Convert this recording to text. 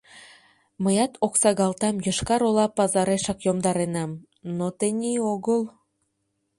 — Мыят оксагалтам Йошкар-Ола пазарешак йомдаренам, но тений огыл...»